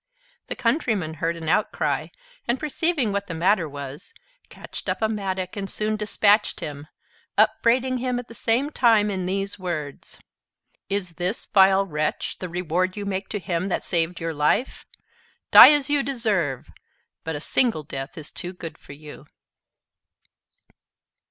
The Countryman heard an outcry, and perceiving what the matter was, catched up a mattock and soon dispatched him; upbraiding him at the same time in these words: "Is this, vile wretch, the reward you make to him that saved your life? Die as you deserve; but a single death is too good for you."